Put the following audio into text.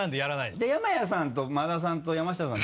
じゃあ山谷さんと馬田さんと山下さん